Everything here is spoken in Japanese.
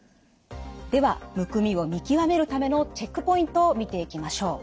ではむくみを見極めるためのチェックポイントを見ていきましょう。